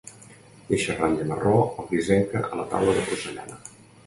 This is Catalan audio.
Deixa ratlla marró o grisenca a la taula de porcellana.